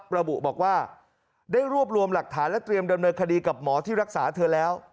ระบุบอกว่าได้รวบรวมหลักฐานและเตรียมดำเนินคดีกับหมอที่รักษาเธอแล้ว